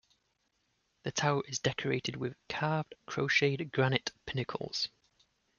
The tower is decorated with carved crotcheted granite pinnacles.